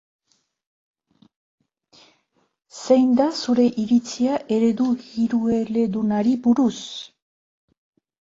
Zein da zure iritzia eredu hirueledunari buruz?